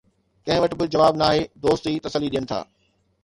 ڪنهن وٽ به جواب ناهي، دوست ئي تسلي ڏين ٿا.